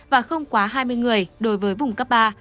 và không quá hai mươi người đối với vùng cấp ba